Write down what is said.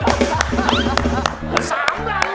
๓ลำ